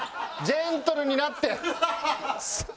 ジェントルになって！